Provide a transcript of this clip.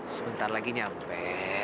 sebentar lagi nyampe